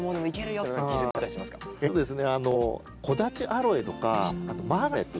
そうなんですね。